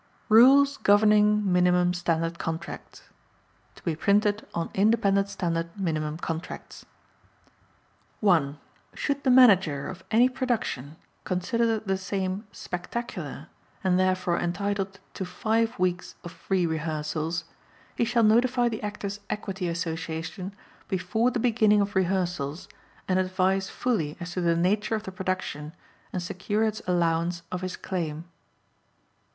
RULES GOVERNING MINIMUM STANDARD CONTRACTS (To be printed on Independent Standard Minimum Contracts) 1. Should the Manager of any production consider the same "Spectacular" and therefore entitled to five weeks of free rehearsals, he shall notify the Actors' Equity Association before the beginning of rehearsals and advise fully as to the nature of the production and secure its allowance of his claim.